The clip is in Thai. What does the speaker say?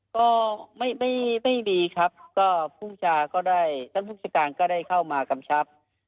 ก็ไม่ดีครับก็ท่านฟุติการก็ได้เข้ามากำชับ